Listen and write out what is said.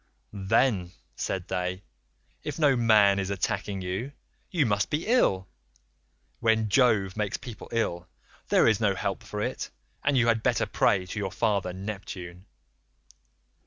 "'Then,' said they, 'if no man is attacking you, you must be ill; when Jove makes people ill, there is no help for it, and you had better pray to your father Neptune.